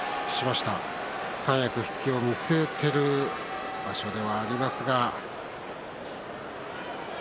三役復帰を見据えている場所ではありますが。